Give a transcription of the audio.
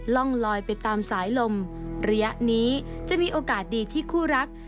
ร่องลอยไปตามสายลมระยะนี้จะมีโอกาสดีที่คู่รัก